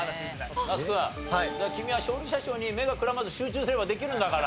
君は勝利者賞に目がくらまず集中すればできるんだから。